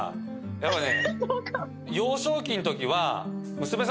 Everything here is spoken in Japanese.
やっぱね。